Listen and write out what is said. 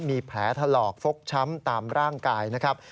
มีแผลถลอกฟกช้ำตามร่างกายนะครับ